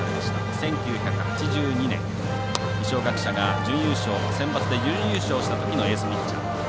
１９８２年二松学舎がセンバツで準優勝したときのエースピッチャー。